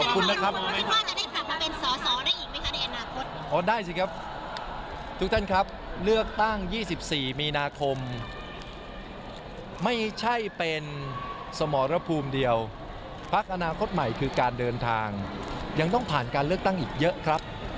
ผมยังเป็นแคนดิเดตนายกรัฐมนตรีอยู่นะครับ